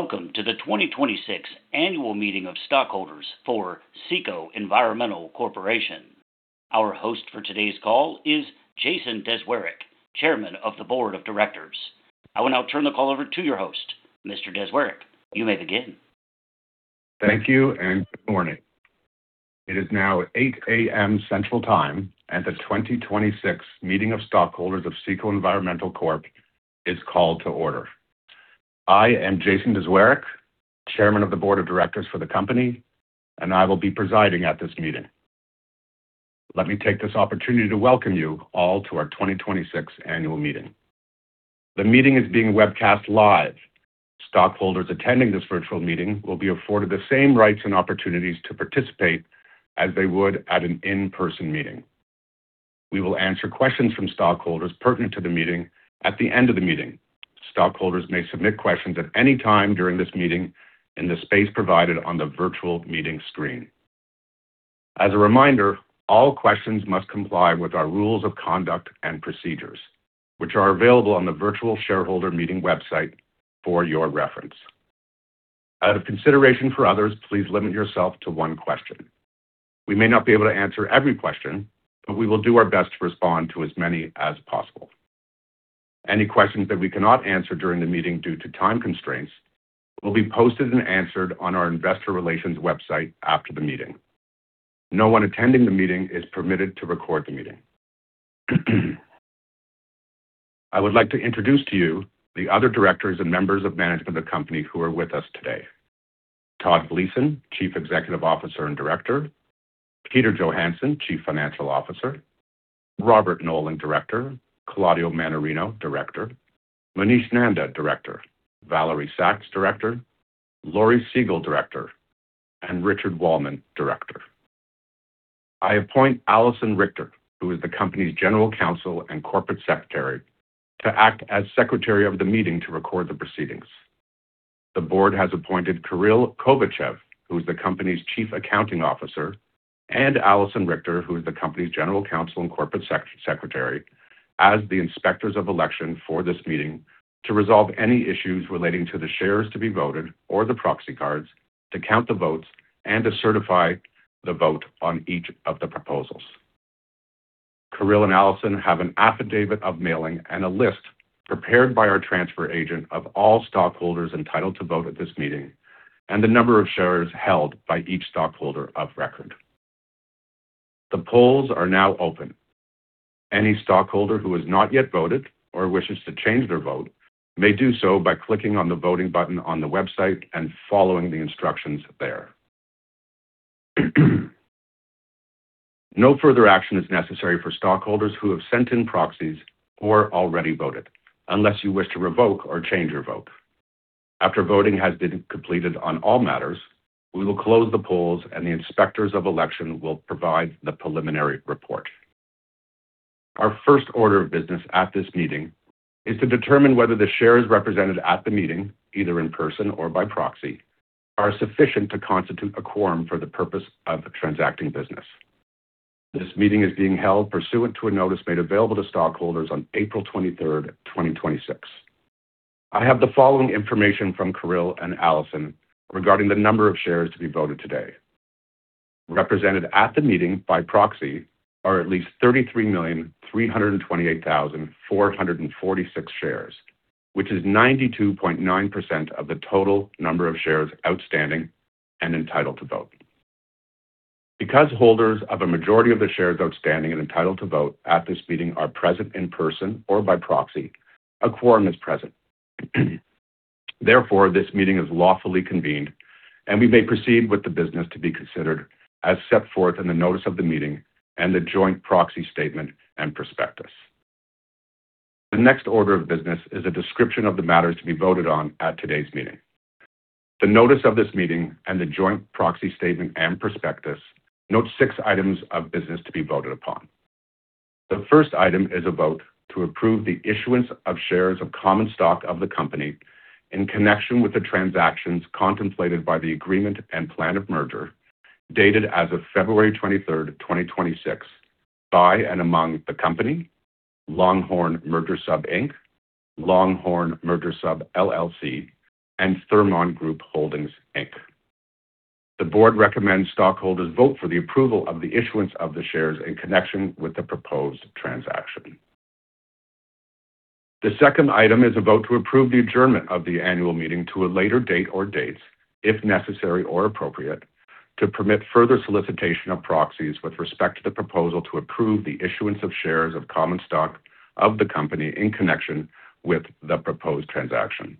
Welcome to the 2026 annual meeting of stockholders for CECO Environmental Corp. Our host for today's call is Jason DeZwirek, Chairman of the Board of Directors. I will now turn the call over to your host. Mr. DeZwirek, you may begin. Thank you and good morning. It is now 8:00 A.M. Central Time, and the 2026 meeting of stockholders of CECO Environmental Corp. is called to order. I am Jason DeZwirek, chairman of the board of directors for the company, and I will be presiding at this meeting. Let me take this opportunity to welcome you all to our 2026 annual meeting. The meeting is being webcast live. Stockholders attending this virtual meeting will be afforded the same rights and opportunities to participate as they would at an in-person meeting. We will answer questions from stockholders pertinent to the meeting at the end of the meeting. Stockholders may submit questions at any time during this meeting in the space provided on the virtual meeting screen. As a reminder, all questions must comply with our rules of conduct and procedures, which are available on the virtual shareholder meeting website for your reference. Out of consideration for others, please limit yourself to one question. We may not be able to answer every question, but we will do our best to respond to as many as possible. Any questions that we cannot answer during the meeting due to time constraints will be posted and answered on our investor relations website after the meeting. No one attending the meeting is permitted to record the meeting. I would like to introduce to you the other directors and members of management of the company who are with us today. Todd Gleason, Chief Executive Officer and Director. Peter Johansson, Chief Financial Officer. Robert Nolan, Director. Claudio Mannarino, Director. Munish Nanda, Director. Valerie Sachs, Director. Laurie Siegel, Director. Richard Wallman, Director. I appoint Alyson Richter, who is the company's General Counsel and Corporate Secretary, to act as secretary of the meeting to record the proceedings. The board has appointed Kiril Kovachev, who is the company's chief accounting officer, and Alyson Richter, who is the company's general counsel and corporate secretary, as the inspectors of election for this meeting to resolve any issues relating to the shares to be voted or the proxy cards, to count the votes, and to certify the vote on each of the proposals. Kiril and Alyson have an affidavit of mailing and a list prepared by our transfer agent of all stockholders entitled to vote at this meeting and the number of shares held by each stockholder of record. The polls are now open. Any stockholder who has not yet voted or wishes to change their vote may do so by clicking on the voting button on the website and following the instructions there. No further action is necessary for stockholders who have sent in proxies or already voted, unless you wish to revoke or change your vote. After voting has been completed on all matters, we will close the polls, and the inspectors of election will provide the preliminary report. Our first order of business at this meeting is to determine whether the shares represented at the meeting, either in person or by proxy, are sufficient to constitute a quorum for the purpose of transacting business. This meeting is being held pursuant to a notice made available to stockholders on April 23rd, 2026. I have the following information from Kiril Kovachev and Alyson Richter regarding the number of shares to be voted today. Represented at the meeting by proxy are at least 33,328,446 shares, which is 92.9% of the total number of shares outstanding and entitled to vote. Because holders of a majority of the shares outstanding and entitled to vote at this meeting are present in person or by proxy, a quorum is present. Therefore, this meeting is lawfully convened, and we may proceed with the business to be considered as set forth in the notice of the meeting and the joint proxy statement and prospectus. The next order of business is a description of the matters to be voted on at today's meeting. The notice of this meeting and the joint proxy statement and prospectus note six items of business to be voted upon. The first item is a vote to approve the issuance of shares of common stock of the company in connection with the transactions contemplated by the agreement and plan of merger, dated as of February 23rd, 2026, by and among the company, Longhorn Merger Sub, Inc., Longhorn Merger Sub LLC, and Thermon Group Holdings, Inc. The board recommends stockholders vote for the approval of the issuance of the shares in connection with the proposed transaction. The second item is a vote to approve the adjournment of the annual meeting to a later date or dates, if necessary or appropriate, to permit further solicitation of proxies with respect to the proposal to approve the issuance of shares of common stock of the company in connection with the proposed transaction.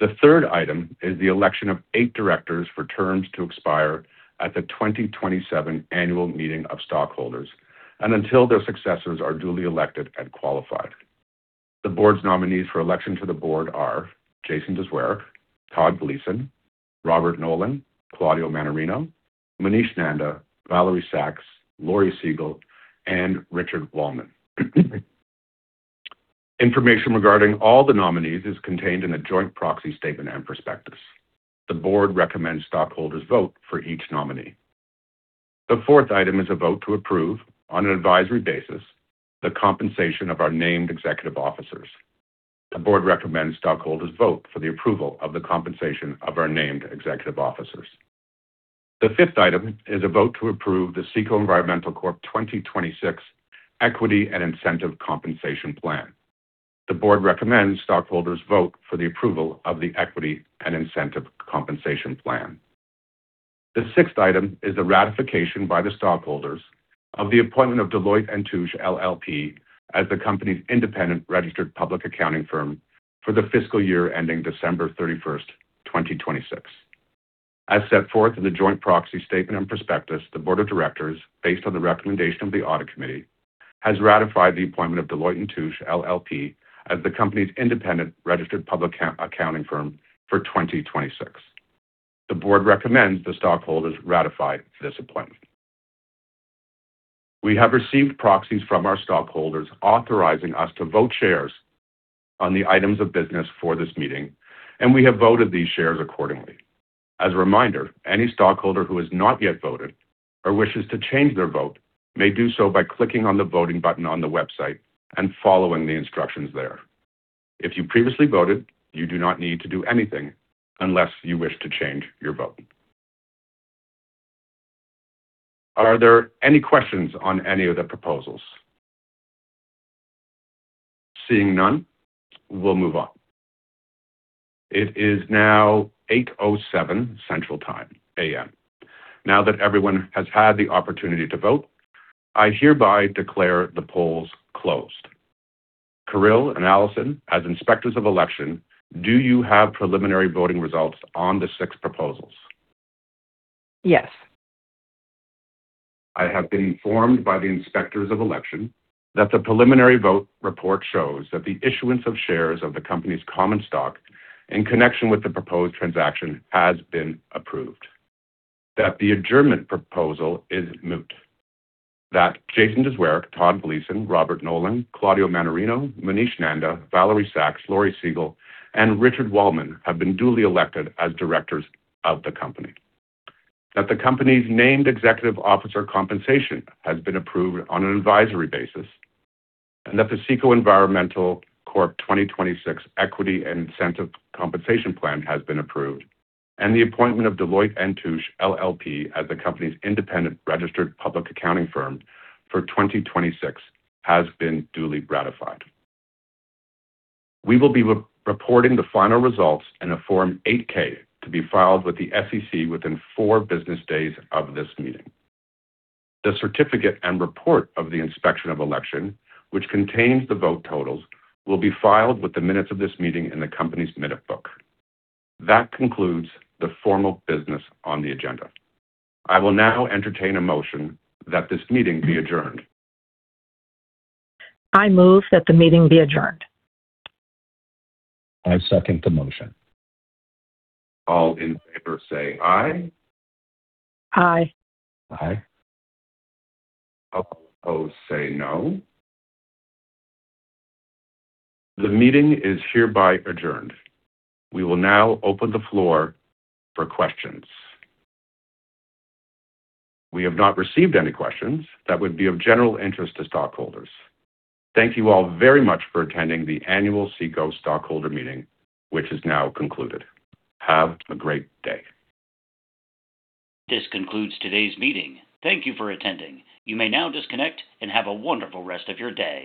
The third item is the election of eight directors for terms to expire at the 2027 annual meeting of stockholders and until their successors are duly elected and qualified. The board's nominees for election to the board are Jason DeZwirek, Todd Gleason, Robert Nolan, Claudio A. Mannarino, Munish Nanda, Valerie Gentile Sachs, Laurie A. Siegel, and Richard F. Wallman. Information regarding all the nominees is contained in the joint proxy statement and prospectus. The board recommends stockholders vote for each nominee. The fourth item is a vote to approve, on an advisory basis, the compensation of our named executive officers. The board recommends stockholders vote for the approval of the compensation of our named executive officers. The fifth item is a vote to approve the CECO Environmental Corp. 2026 Equity and Incentive Compensation Plan. The board recommends stockholders vote for the approval of the Equity and Incentive Compensation Plan. The sixth item is the ratification by the stockholders of the appointment of Deloitte & Touche LLP as the company's independent registered public accounting firm for the fiscal year ending December 31st, 2026. As set forth in the joint proxy statement and prospectus, the board of directors, based on the recommendation of the audit committee, has ratified the appointment of Deloitte & Touche LLP as the company's independent registered public accounting firm for 2026. The board recommends the stockholders ratify this appointment. We have received proxies from our stockholders authorizing us to vote shares on the items of business for this meeting, and we have voted these shares accordingly. As a reminder, any stockholder who has not yet voted or wishes to change their vote may do so by clicking on the voting button on the website and following the instructions there. If you previously voted, you do not need to do anything unless you wish to change your vote. Are there any questions on any of the proposals? Seeing none, we'll move on. It is now 8:07 A.M. Central Time. Now that everyone has had the opportunity to vote, I hereby declare the polls closed. Kiril Kovachev and Alyson Richter, as inspectors of election, do you have preliminary voting results on the six proposals? Yes. I have been informed by the inspectors of election that the preliminary vote report shows that the issuance of shares of the company's common stock in connection with the proposed transaction has been approved, that the adjournment proposal is moot, that Jason DeZwirek, Todd Gleason, Robert Nolan, Claudio Mannarino, Munish Nanda, Valerie Sachs, Laurie A. Siegel, and Richard Wallman have been duly elected as directors of the company. That the company's named executive officer compensation has been approved on an advisory basis, and that the CECO Environmental Corp. 2026 Equity and Incentive Compensation Plan has been approved, and the appointment of Deloitte & Touche LLP as the company's independent registered public accounting firm for 2026 has been duly ratified. We will be reporting the final results in a Form 8-K to be filed with the SEC within four business days of this meeting. The certificate and report of the inspection of election, which contains the vote totals, will be filed with the minutes of this meeting in the company's minute book. That concludes the formal business on the agenda. I will now entertain a motion that this meeting be adjourned. I move that the meeting be adjourned. I second the motion. All in favor say aye. Aye. Aye. All opposed say no. The meeting is hereby adjourned. We will now open the floor for questions. We have not received any questions that would be of general interest to stockholders. Thank you all very much for attending the annual CECO stockholder meeting, which is now concluded. Have a great day. This concludes today's meeting. Thank you for attending. You may now disconnect and have a wonderful rest of your day.